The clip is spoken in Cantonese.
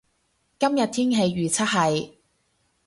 今日天氣預測係